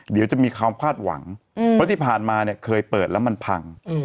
เดี๋ยวจะมีความคาดหวังเพราะที่ผ่านมาเนี่ยเคยเปิดแล้วมันพัง